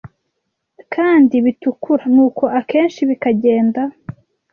kandi bitukura nuko akenshi bikagenda